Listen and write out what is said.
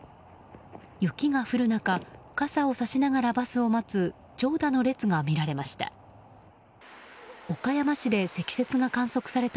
雪が降る中傘をさしながらバスを待つ長蛇の列が見られました。